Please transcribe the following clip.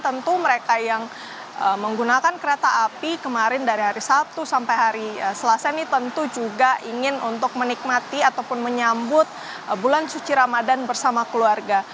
tentu mereka yang menggunakan kereta api kemarin dari hari sabtu sampai hari selasa ini tentu juga ingin untuk menikmati ataupun menyambut bulan suci ramadan bersama keluarga